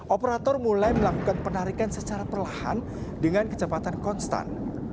operator mulai melakukan penarikan secara perlahan dengan kecepatan konstan